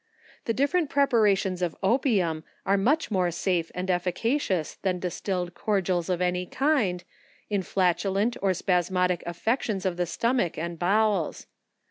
The different preparations of opium are much more sale and efficacious than distilled cordials of any kind, in flat ulent or spasmodic affections of the stomach and bowels.